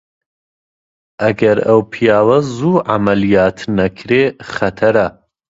ئەگەر ئەو پیاوە زوو عەمەلیات نەکرێ خەتەرە!